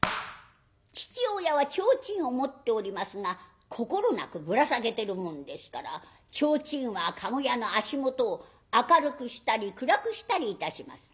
父親はちょうちんを持っておりますが心なくぶら下げてるもんですからちょうちんは駕籠屋の足元を明るくしたり暗くしたりいたします。